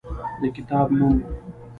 د کتاب نوم: